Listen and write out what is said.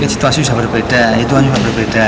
situasi sudah berbeda itu kan juga berbeda